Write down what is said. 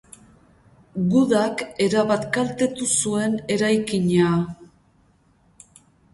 Gudak erabat kaltetu zuen eraikina.